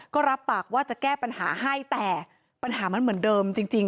ก็รับปากว่าจะแก้ปัญหาให้แต่ปัญหามันเหมือนเดิมจริง